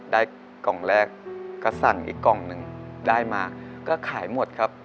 ได้กล่องแรกก็สั่งอีกกล่องหนึ่งได้มาก็ขายหมดครับ